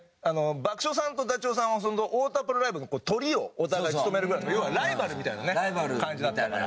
爆笑さんとダチョウさんは太田プロライブのトリをお互い務めるぐらいの要はライバルみたいなね感じだったから。